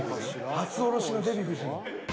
初おろしのデヴィ夫人。